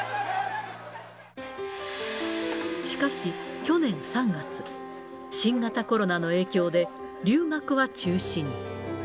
しかし、去年３月、新型コロナの影響で、留学は中止に。